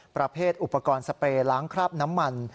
ประเภทอุปกรณ์สเปรย์ล้างคราบน้ำมัน